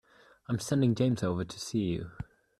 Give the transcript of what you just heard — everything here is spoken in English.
I'm sending James over to see you.